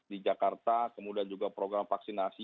di jakarta kemudian juga program vaksinasi